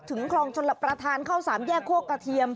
ถึงครองชลประทานเข้าสามแย่โครกกระเทียม